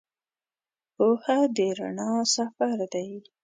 پوهه د رڼا سفر دی.